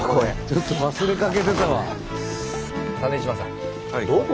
ちょっと忘れかけてたわ。